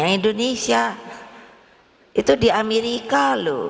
indonesia itu di amerika loh